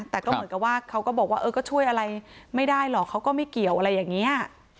แต่ก็เหมือนกับว่าเขาก็บอกว่าเออก็ช่วยอะไรไม่ได้หรอกเขาก็ไม่เกี่ยวอะไรอย่างนี้